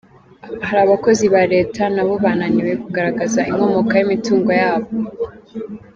Hari abakozi ba Leta nabo bananiwe kugaragaza inkomoko y’imitungo yabo.